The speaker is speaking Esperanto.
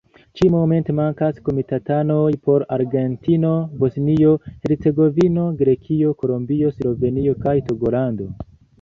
Ĉi-momente mankas komitatanoj por Argentino, Bosnio-Hercegovino, Grekio, Kolombio, Slovenio kaj Togolando.